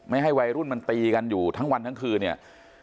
ให้วัยรุ่นมันตีกันอยู่ทั้งวันทั้งคืนเนี่ย